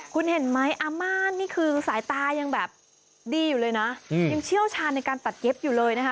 คุณเห็นไหมอาม่านี่คือสายตายังแบบดีอยู่เลยนะยังเชี่ยวชาญในการตัดเย็บอยู่เลยนะคะ